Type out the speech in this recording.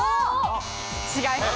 違います。